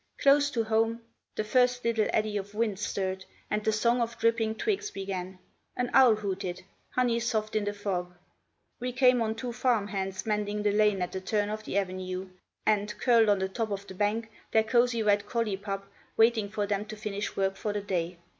Close to home, the first little eddy of wind stirred, and the song of dripping twigs began; an owl hooted, honey soft, in the fog. We came on two farm hands mending the lane at the turn of the avenue, and, curled on the top of the bank, their cosy red collie pup, waiting for them to finish work for the day.